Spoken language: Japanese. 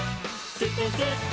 すってんすっく！」